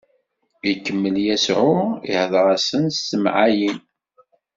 Ikemmel Yasuɛ ihdeṛ-asen s temɛayin.